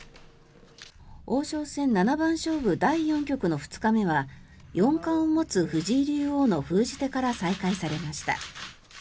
王将戦七番勝負第４局の２日目は四冠を持つ藤井竜王の封じ手から再開されました。